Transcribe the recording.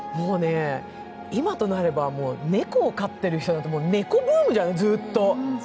今となれば猫を飼ってる人って、猫ブームじゃない、ずっと。